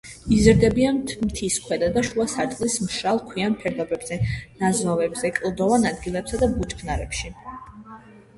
იზრდებიან მთის ქვედა და შუა სარტყლის მშრალ ქვიან ფერდობებზე, ნაზვავებზე, კლდოვან ადგილებსა და ბუჩქნარებში.